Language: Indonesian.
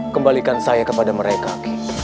kembalikan saya kepada mereka